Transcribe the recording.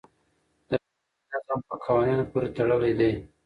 د ټولنې نظم په قوانینو پورې تړلی دی.